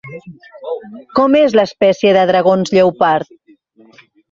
Com és l'espècie de dragons lleopard?